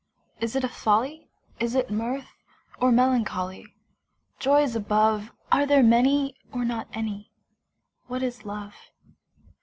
Is it a folly, Is it mirth, or melancholy? Joys above, Are there many, or not any? What is Love?